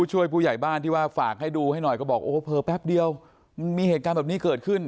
ช่วยผู้ใหญ่บ้านที่ว่าฝากให้ดูให้หน่อยก็บอกโอ้โหเผลอแป๊บเดียวมันมีเหตุการณ์แบบนี้เกิดขึ้น